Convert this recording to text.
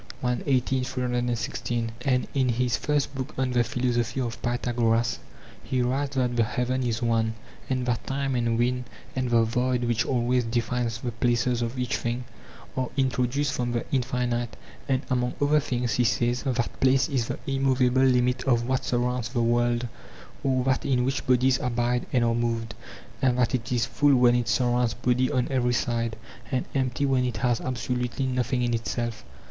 i. 18; 316. (After quotation from Arist. Phys. iv. 4; 212 a 20) And in his first book on the philosophy of Pythagoras he writes that the heaven is one, and that time and wind and the void which always defines the places of each thing, are introduced from the infinite. And among other things he says that place is the immovable limit of what surrounds the world, or that in which bodies abide and are moved; and that it is full when it surrounds body on every side, and empty when it has absolutely nothing in itself.